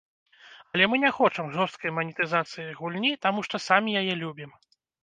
Але мы не хочам жорсткай манетызацыі гульні, таму што самі яе любім.